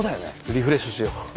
リフレッシュしよう。